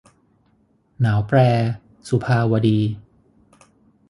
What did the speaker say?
หนาวแปร - สุภาวดี